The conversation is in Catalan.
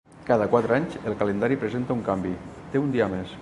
Cada quatre anys, el calendari presenta un canvi: té un dia més.